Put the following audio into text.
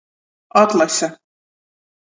Atlase.